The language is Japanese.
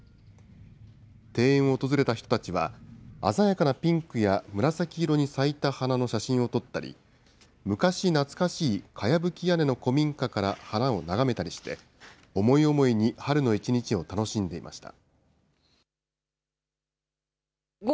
庭園を訪れた人たちは、鮮やかなピンクや紫色に咲いた花の写真を撮ったり、昔懐かしいかやぶき屋根の古民家から花を眺めたりして、思い思いに春の一日を楽しんでいました。